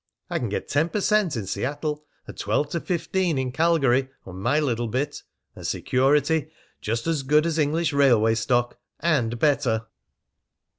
I can get ten per cent. in Seattle, and twelve to fifteen in Calgary, on my little bit; and security just as good as English railway stock and better."